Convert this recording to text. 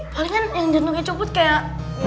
palingan yang janggungnya cukup kayak